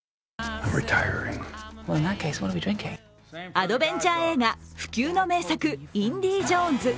アドベンチャー映画、不朽の名作「インディ・ジョーンズ」。